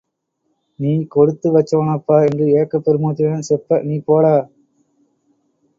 நீ கொடுத்து வச்சவனப்பா! என்று ஏக்கப் பெருமூச்சுடன் செப்ப, நீ போடா!...